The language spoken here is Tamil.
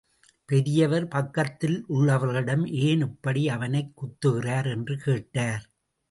பெரியவர் பக்கத்திலுள்ளவர்களிடம் ஏன் இப்படி, அவனைக் குத்துகிறார் என்று கேட்டார்.